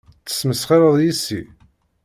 Tesmesxireḍ yess-i?